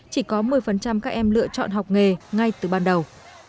chỉ có một mươi các em lựa chọn học nghề ngay từ ban đầu